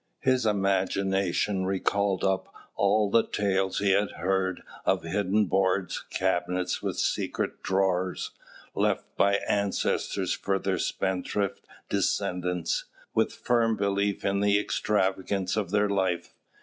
His imagination recalled up all the tales he had heard of hidden hoards, cabinets with secret drawers, left by ancestors for their spendthrift descendants, with firm belief in the extravagance of their life.